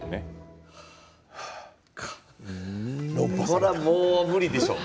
これはもう無理でしょう。